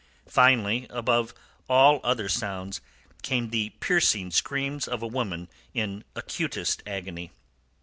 Finally above all other sounds came the piercing screams of a woman in acutest agony.